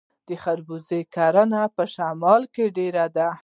د خربوزې کرنه په شمال کې ډیره ده.